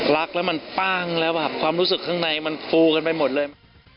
แล้วมันปั้งแล้วความรู้สึกข้างในมันฟูขึ้นไปหมดเลย